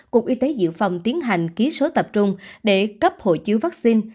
cục y tế dự phòng tiến hành ký số tập trung để cấp hộ chiếu vaccine